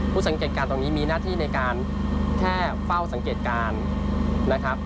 สังเกตการณ์ตรงนี้มีหน้าที่ในการแค่เฝ้าสังเกตการณ์นะครับ